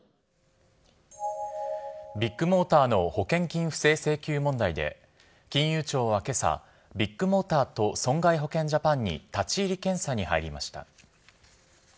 ビッグモーターの保険金不正請求問題で、金融庁はけさ、ビッグモーターと損害保険ジャパンに立ち入り検査に入りました。